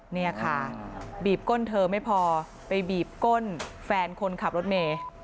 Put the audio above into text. นี่ค่ะบีบก้นเธอไม่พอไปบีบก้นแฟนคนขับรถเมย์